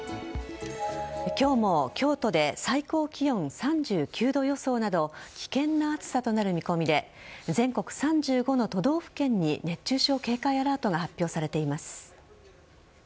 今日も京都で最高気温３９度予想など危険な暑さとなる見込みで全国３５の都道府県に熱中症警戒アラートが発表されています。